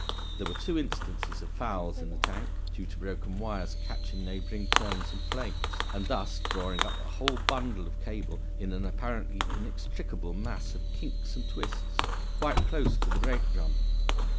There were two instances of fouls in the tank, due to broken wires catching neighboring turns and flakes, and thus drawing up a whole bundle of cable in an apparently inextricable mass of kinks and twists quite close to the brake drum.